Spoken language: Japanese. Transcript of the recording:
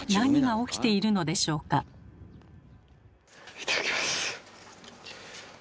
いただきます。